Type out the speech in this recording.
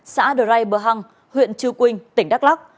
xã đờ lai bờ hăng huyện chư quynh tỉnh đắk lắc